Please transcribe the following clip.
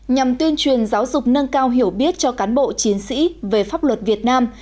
nhằm tuyên truyền giáo dục nâng cao hiểu biết cho cán bộ chiến sĩ về pháp luật việt nam